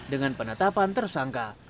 dengan penetapan tersangka